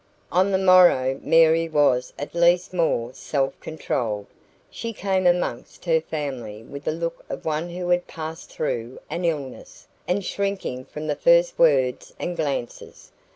On the morrow Mary was at least more self controlled. She came amongst her family with the look of one who had passed through an illness, and shrinking from the first words and glances.